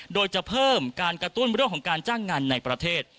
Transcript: โดยจะเพิ่มการกระตุ้นเรื่องของการจ้างงานในประเทศ